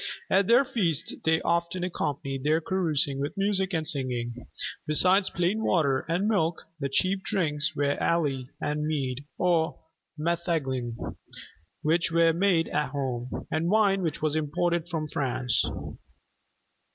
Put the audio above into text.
At their feasts they often accompanied their carousing with music and singing. Besides plain water and milk, the chief drinks were Ale and Mead or metheglin, which were made at home; and Wine which was imported from France.